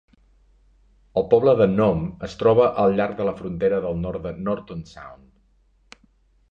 El poble de Nome es troba al llarg de la frontera del nord de Norton Sound.